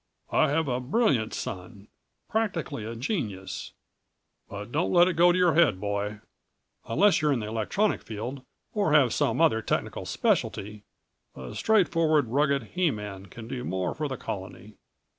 "I have a brilliant son practically a genius. But don't let it go to your head, boy. Unless you're in the electronic field or have some other technical specialty a straightforward, rugged he man can do more for the Colony."